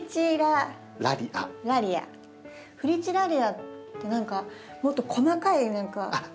フリチラリアって何かもっと細かい柄のやつ。